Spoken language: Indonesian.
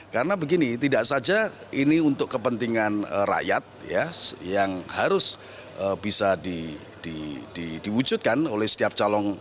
karena begini tidak saja ini untuk kepentingan rakyat yang harus bisa diwujudkan oleh setiap calon